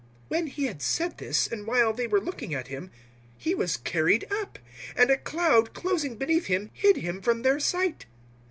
001:009 When He had said this, and while they were looking at Him, He was carried up, and a cloud closing beneath Him hid Him from their sight.